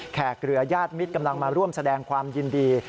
เรือญาติมิตรกำลังมาร่วมแสดงความยินดี